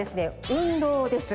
「運動」です。